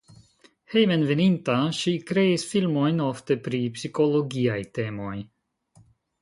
Hejmenveninta ŝi kreis filmojn ofte pri psikologiaj temoj.